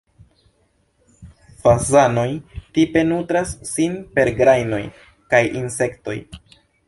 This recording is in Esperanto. Fazanoj tipe nutras sin per grajnoj kaj insektoj.